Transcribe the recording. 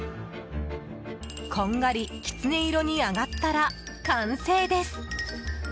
こんがりキツネ色に揚がったら完成です。